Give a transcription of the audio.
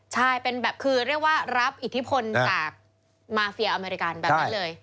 ใช่เป็นแบบคือเรียกว่ารับอิทธิพลจากมาเฟียอเมริกันแบบนั้นเลย